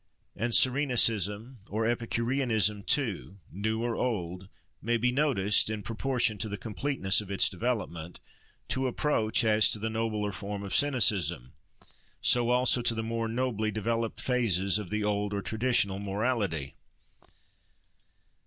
And Cyrenaicism or Epicureanism too, new or old, may be noticed, in proportion to the completeness of its development, to approach, as to the nobler form of Cynicism, so also to the more nobly developed phases of the old, or traditional morality.